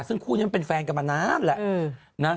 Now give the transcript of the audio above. ซึ่งคู่นี้มันเป็นแฟนกันมานานแล้วนะ